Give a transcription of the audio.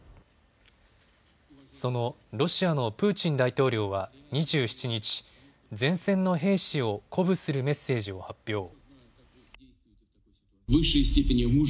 そのロシアのプーチン大統領は２７日、前線の兵士を鼓舞するメッセージを発表。